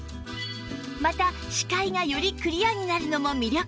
また視界がよりクリアになるのも魅力